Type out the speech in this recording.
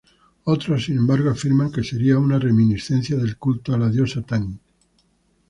Otros sin embargo, afirman que sería una reminiscencia del culto a la diosa Tanit.